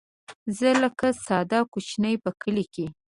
زه لکه ساده کوچۍ په کلي کې